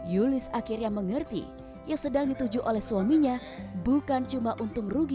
yulis akhirnya mengerti yang sedang dituju oleh suaminya bukan cuma untung rugi